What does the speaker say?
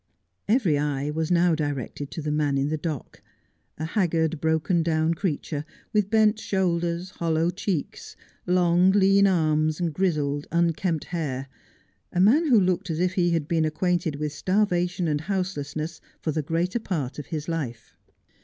Every eye was now directed to the man in the dock ; a haggard, broken down creature, with bent shoulders, hollow cheeks, long, lean arms, grizzled unkempt hair — a man who looked as if he had been acquainted with starvation and houselessness for the greater part of his life.